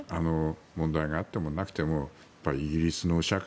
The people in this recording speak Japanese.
問題があってもなくてもイギリスの社会